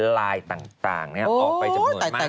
ไลน์ต่างออกไปจำนวนมาก